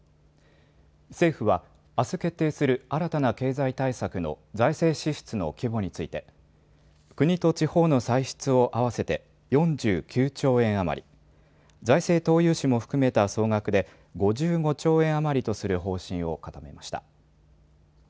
政府は、あす決定する新たな経済対策の財政支出の規模について国と地方の歳出を合わせて４９兆円余り、財政投融資も含めた総額で５５兆円余りとする方針を固めました。